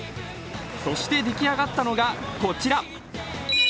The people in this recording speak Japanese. そして出来上がったのがこちら。